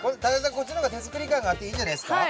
こっちの方が手作り感があっていいんじゃないですか？